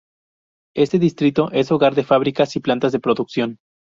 Este distrito es hogar de fabricas y plantas de producción.